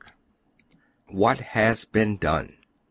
WHAT HAS BEEN DONE.